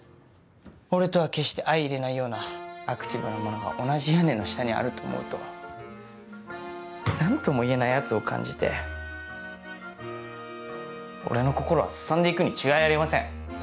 俺とは決して相いれないようなアクティブなものが同じ屋根の下にあると思うと何ともいえない圧を感じて俺の心はすさんでいくに違いありません。